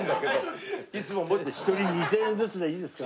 １人２０００円ずつでいいですか？